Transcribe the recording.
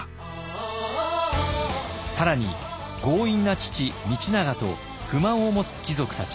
更に強引な父道長と不満を持つ貴族たち。